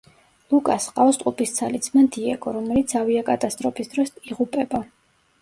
ლუკასს ჰყავს ტყუპისცალი ძმა დიეგო, რომელიც ავიაკატასტროფის დროს იღუპება.